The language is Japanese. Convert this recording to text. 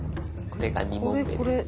これが２問目です。